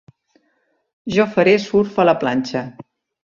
Jo faré surf a la planxa.